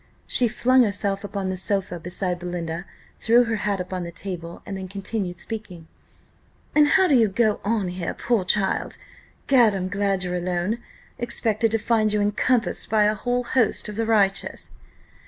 She flung herself upon the sofa beside Belinda, threw her hat upon the table, and then continued speaking. "And how d'ye go on here, poor child? Gad! I'm glad you're alone expected to find you encompassed by a whole host of the righteous.